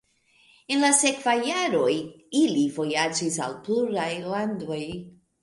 En la sekvaj jaroj ili vojaĝis al pluraj landoj.